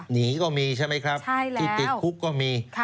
หนีก็มีใช่ไหมครับที่ติดคุกก็มี